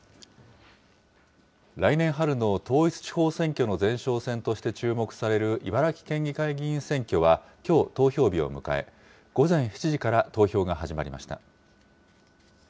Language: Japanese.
来年春の統一地方選挙の前哨戦として注目される茨城県議会議員選挙は、きょう、投票日を迎え、午前７時から投票が始まりました。